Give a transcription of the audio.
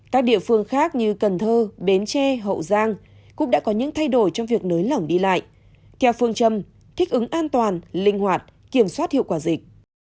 các địa phương khác như cần thơ bến tre hậu giang cũng đã có những thay đổi trong việc nới lỏng đi lại theo phương châm thích ứng an toàn linh hoạt kiểm soát hiệu quả dịch